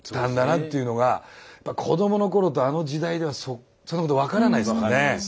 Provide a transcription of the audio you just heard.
子供の頃とあの時代ではそんなこと分からないですもんね。